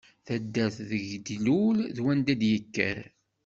Taddart deg d-ilul d wanda d-yekker.